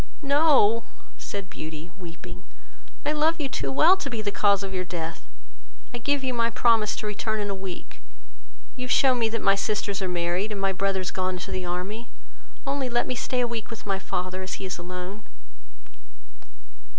"No, (said Beauty, weeping,) I love you too well to be the cause of your death: I give you my promise to return in a week: you have shewn me that my sisters are married, and my brothers gone to the army; only let me stay a week with my father, as he is alone."